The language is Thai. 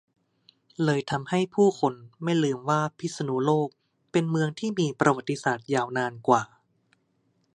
เลยทำให้ผู้คนไม่ลืมว่าพิษณุโลกเป็นเมืองที่มีประวัติศาสตร์ยาวนานกว่า